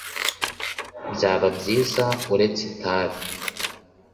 byaba byiza uretse itabi